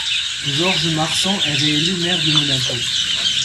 Georges Marsan est réélu maire de Monaco.